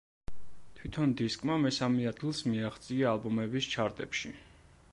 თვითონ დისკმა მესამე ადგილს მიაღწია ალბომების ჩარტებში.